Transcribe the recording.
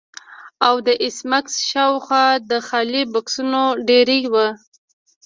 او د ایس میکس شاوخوا د خالي بکسونو ډیرۍ وه